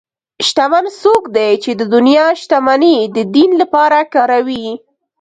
شتمن څوک دی چې د دنیا شتمني د دین لپاره کاروي.